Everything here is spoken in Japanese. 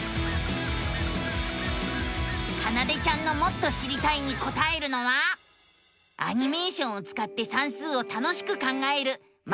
かなでちゃんのもっと知りたいにこたえるのはアニメーションをつかって算数を楽しく考える「マテマティカ２」。